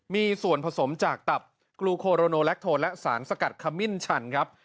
มีส่วนผสมจากตับกลูโคโรโนแลคโทนและสารสกัดขมิ้นชันครับ